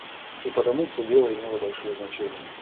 И потому всё дело имело большое значение.